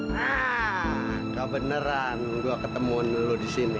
nah tak beneran gua ketemu lu di sini